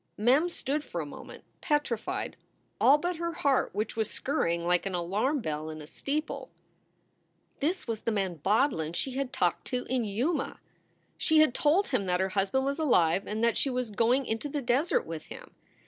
Mem stood for a moment, petrified, all but her heart, which was scurrying like an alarm bell in a steeple. i6 4 SOULS FOR SALE This was the man Bodlin she had talked to in Yuma! She had told him that her husband was alive and that she was going into the desert with him.